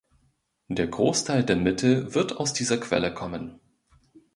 Der Großteil der Mittel wird aus dieser Quelle kommen.